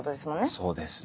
そうですね